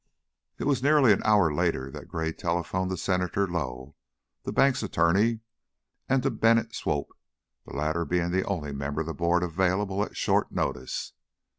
It was nearly an hour later that Gray telephoned to Senator Lowe, the bank's attorney, and to Bennett Swope, the latter being the only member of the board available at short notice.